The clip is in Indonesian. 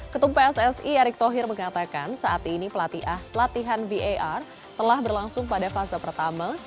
ketum pssi erick thohir mengatakan saat ini latihan var telah berlangsung pada fase pertama